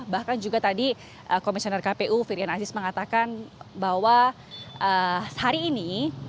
bahkan juga tadi komisioner kpu firian aziz mengatakan bahwa hari ini